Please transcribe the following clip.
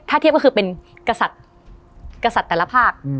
ถ้าเทียบก็คือเป็นกษัตริย์แต่ละภาค